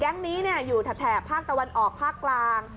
นี้อยู่แถบภาคตะวันออกภาคกลาง